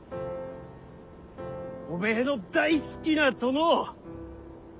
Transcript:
おめえの大好きな殿を。